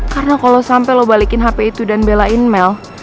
karena kalo sampe lo balikin hp itu dan belain mel